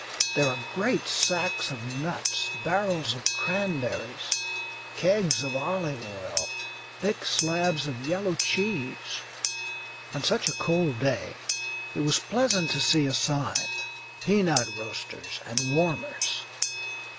There are great sacks of nuts, barrels of cranberries, kegs of olive oil, thick slabs of yellow cheese. On such a cold day it was pleasant to see a sign "Peanut Roasters and Warmers."